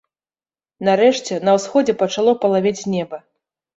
Нарэшце на ўсходзе пачало палавець неба.